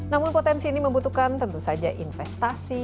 namun potensi ini membutuhkan tentu saja investasi